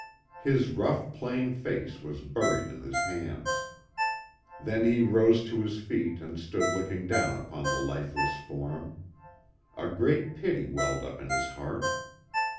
His rough, plain face was buried in his hands. Then he rose to his feet and stood looking down upon the lifeless form. A great pity welled up in his heart.